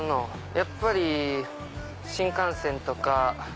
やっぱり新幹線とか。